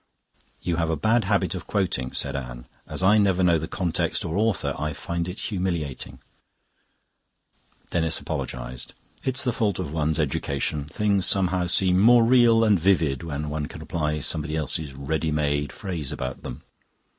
'" "You have a bad habit of quoting," said Anne. "As I never know the context or author, I find it humiliating." Denis apologized. "It's the fault of one's education. Things somehow seem more real and vivid when one can apply somebody else's ready made phrase about them.